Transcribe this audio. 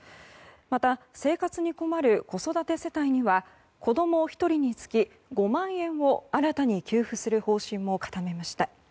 また、生活に困る子育て世帯には子供１人につき５万円を新たに給付する方針も固めました。